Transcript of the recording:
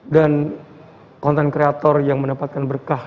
dan content creator yang mendapatkan berkah